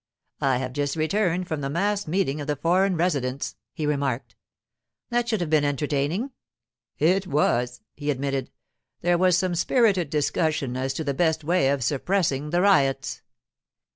'I have just returned from the mass meeting of the foreign residents,' he remarked. 'That should have been entertaining.' 'It was,' he admitted. 'There was some spirited discussion as to the best way of suppressing the riots.